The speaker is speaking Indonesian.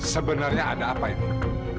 sebenarnya ada apa ini